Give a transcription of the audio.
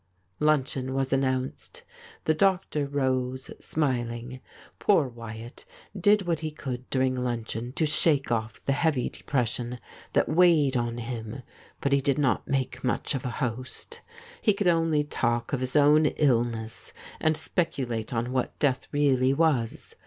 Luncheon was announced. The doctor rose smiling. Poor Wyatt did what he could during luncheon to shake off the heavy depression that weighed on him, but he did not make much of a host. He could only talk of his own illness, and speculate on what death really was.